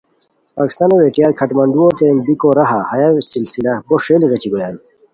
پاکستانو ویلٹیار کھڈ منڈؤو تین بیکو راہا ہیہ سلسلہ بو ݰیلی غیچی گویان۔